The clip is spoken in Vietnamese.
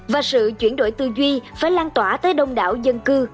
và sự chuyển đổi tư duy phải lan tỏa tới đông đảo dân cư